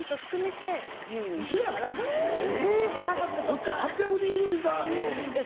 こっちは８００人いる言うたのに。